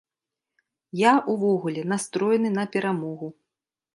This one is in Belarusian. Я, увогуле, настроены на перамогу.